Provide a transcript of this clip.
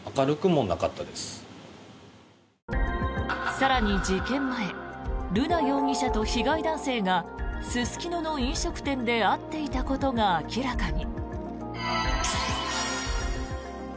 更に事件前瑠奈容疑者と被害男性がすすきのの飲食店で会っていたことが明らかに。